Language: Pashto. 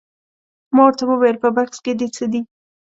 ما ورته وویل په بکس کې دې څه دي؟